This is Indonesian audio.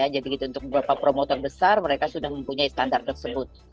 jadi untuk beberapa promotor besar mereka sudah mempunyai standar tersebut